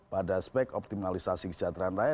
pada aspek optimalisasi kesejahteraan rakyat